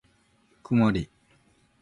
くもり